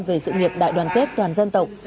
về sự nghiệp đại đoàn kết toàn dân tộc